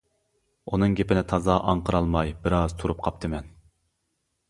ئۇنىڭ گېپىنى تازا ئاڭقىرالماي بىر ئاز تۇرۇپ قاپتىمەن.